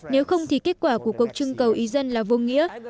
nếu không thì kết quả của cuộc trưng cầu ý dân là vô nghĩa